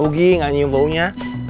rugi nggak nyium baunya